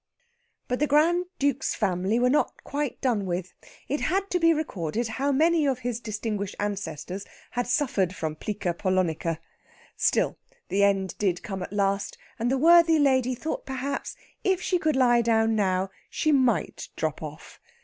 But the Grand Duke's family were not quite done with. It had to be recorded how many of his distinguished ancestors had suffered from Plica polonica. Still, the end did come at last, and the worthy lady thought perhaps if she could lie down now she might drop off.